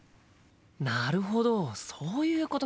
なるほどそういうことか。